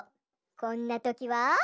こんなときは。